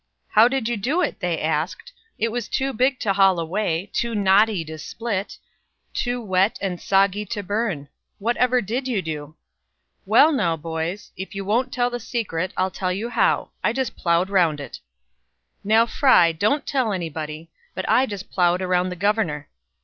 "'How did you do it?' they asked. 'It was too big to haul away, too knotty to split, too wet and soggy to burn. Whatever did you do?' "'Well, now, boys, if you won't tell the secret, I'll tell you how. I just plowed 'round it!' "Now, Fry, don't tell anybody, but I just plowed around the governor!"